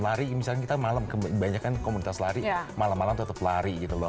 lari misalnya kita malam kebanyakan komunitas lari malam malam tetap lari gitu loh